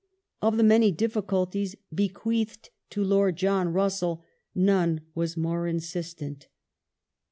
Of the many difficulties bequeathed to Lord John Russell none was more insistent.